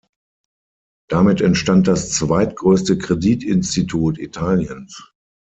Damit entstand das zweitgrößte Kreditinstitut Italiens.